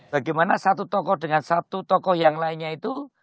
bagaimana satu tokoh dengan satu tokoh yang lainnya itu